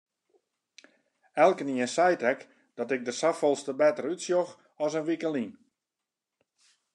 Elkenien seit ek dat ik der safolleste better útsjoch as in wike lyn.